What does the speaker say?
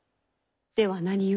では何故。